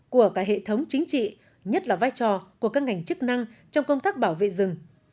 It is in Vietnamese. của cả hệ thống chính trị nhất là vai trò của các ngành chức năng trong công tác bảo vệ rừng